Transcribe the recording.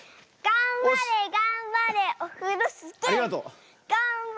がんばれがんばれオフロスキー！